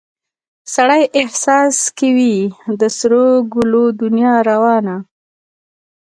سړي احساس کې وي د سرو ګلو دنیا روانه